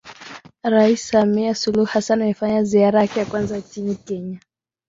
Rais Samia Suluhu Hassan amefanya ziara yake ya kwanza nchini Kenya